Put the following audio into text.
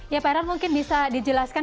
ya pak heran mungkin bisa dijelaskan